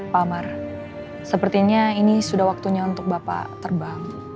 pak amar sepertinya ini sudah waktunya untuk bapak terbang